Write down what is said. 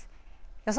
予想